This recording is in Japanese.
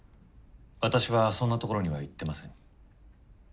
私はそんなところには行ってません。